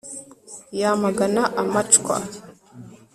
yamagana amacwa